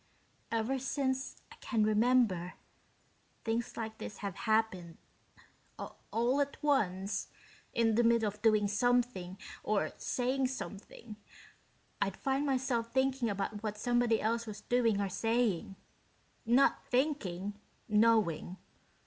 "Ever since I can remember, things like this have happened all at once, in the middle of doing something or saying something, I'd find myself thinking about what somebody else was doing or saying. Not thinking knowing.